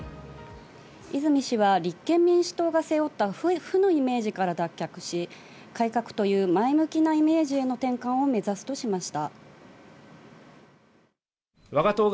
泉氏は立憲民主党が背負った負のイメージから脱却し、改革という前向きなイメージへの転換を目指すとしました。